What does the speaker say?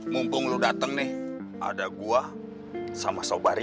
mumpung lu dateng nih ada gua sama sobari